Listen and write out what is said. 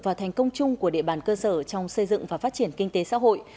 và thành công chung của địa bàn cơ sở trong xây dựng và phát triển kinh tế xã hội